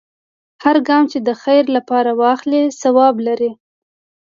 هر ګام چې د خیر لپاره واخلې، ثواب لري.